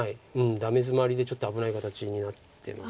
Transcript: ダメヅマリでちょっと危ない形になってます。